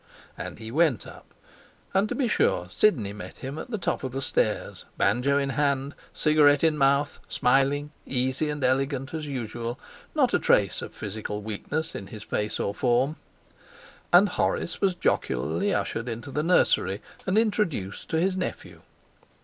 And he went up, and to be sure Sidney met him at the top of the stairs, banjo in hand, cigarette in mouth, smiling, easy and elegant as usual not a trace of physical weakness in his face or form. And Horace was jocularly ushered into the nursery and introduced to his nephew.